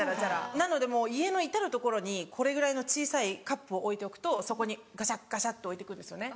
なので家の至る所にこれぐらいの小さいカップを置いておくとそこにガシャガシャって置いて行くんですよね。